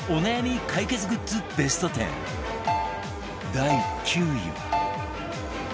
第９位は